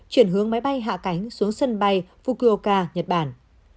chuyển hướng máy bay hạ cánh xuống sân bay fukuoka nhật bản